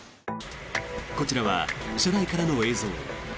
こちらは車内からの映像。